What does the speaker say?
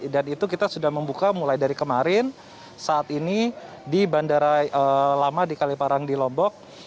dan itu kita sudah membuka mulai dari kemarin saat ini di bandara lama di kaliparang di lombok